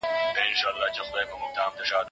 سمدستي یې کړه ور پرې غاړه په توره